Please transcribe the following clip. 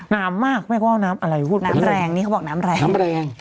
น้ำมากไม่ว่าน้ำอะไรน้ำแรงนี่เขาบอกน้ำแรง